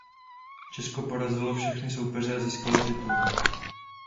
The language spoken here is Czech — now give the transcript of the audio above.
Česko porazilo všechny soupeře a získalo titul.